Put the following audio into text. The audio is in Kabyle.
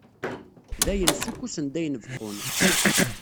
Dayen ssukkusen-d ayen beqqun.